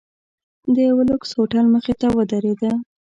د یوه لوکس هوټل مخې ته ودریده.